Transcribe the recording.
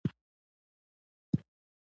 پخواني بزګران شاید بې وزله ښکاره شي.